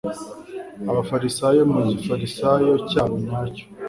abafarisayo mu gifarisayo cyabo nyacyo